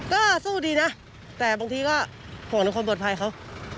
ก็สู้ดีนะแต่บางทีก็ห่วงทุกคนบทภัยเขา